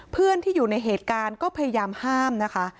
เพื่อนที่อยู่ในเหตุการณ์ก็พยายามห้ามนะคะ